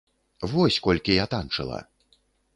Вось колькі я танчыла!